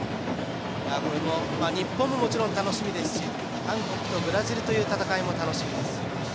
日本も、もちろん楽しみですし韓国とブラジルという戦いも楽しみです。